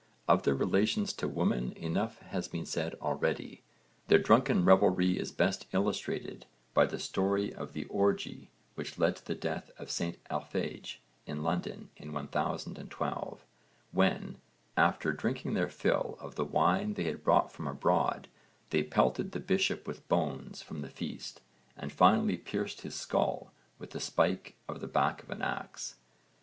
Of their relations to women enough has been said already. Their drunken revelry is best illustrated by the story of the orgie which led up to the death of St Alphege in London in 1012, when, after drinking their fill of the wine they had brought from abroad, they pelted the bishop with bones from the feast, and finally pierced his skull with the spike on the back of an axe.